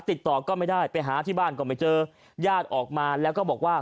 ติดต่อก็ไม่ได้ไปหาที่บ้านก็ไม่เจอญาติออกมาแล้วก็บอกว่า